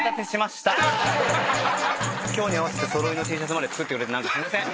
今日に合わせておそろいのＴシャツまで作ってくれてなんかすいません！